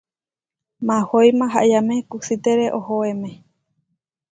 Mahói mahayáme kusítere ohoéme.